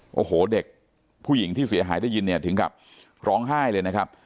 โอ้โหเด็กผู้หญิงที่เสียหายได้ยินเนี่ยถึงกับร้องไห้เลยนะครับ